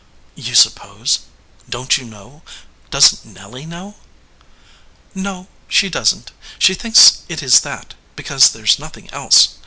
"You suppose ? Don t you know? Doesn t Nelly know?" "No, she doesn t. She thinks it is that, because there s nothing else.